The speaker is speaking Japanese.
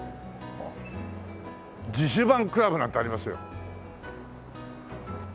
「自主盤倶楽部」なんてありますよ。